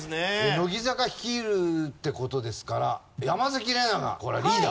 乃木坂率いるって事ですから山崎怜奈がこれはリーダー。